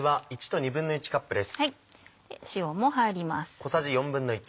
塩も入ります。